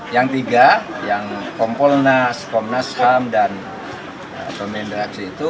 yang tiga yang komponas komnas ham dan pemimpin redaksi itu